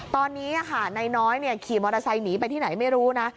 ตอนนี้นายน้อยขี่มอเตอร์ไซค์หนีไปที่ไหนไม่รู้นะ